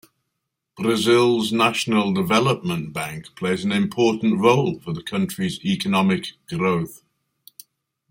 Brazil's national development bank plays an important role for the country's economic growth.